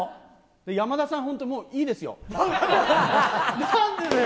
山田さん、本当、もういいでなんでだよ！